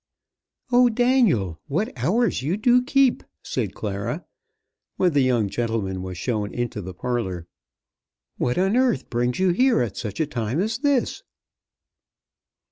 "Oh, Daniel, what hours you do keep!" said Clara, when the young gentleman was shown into the parlour. "What on earth brings you here at such a time as this?"